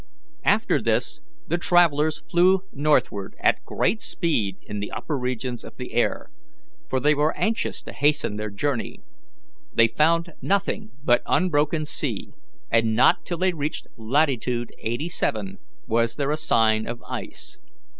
After this the travellers flew northward at great speed in the upper regions of the air, for they were anxious to hasten their journey. They found nothing but unbroken sea, and not till they reached latitude eighty seven was there a sign of ice.